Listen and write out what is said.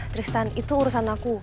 tristan itu urusan aku